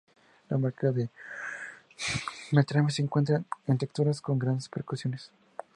La marca de Beltrami se encuentra en texturas con grandes percusiones.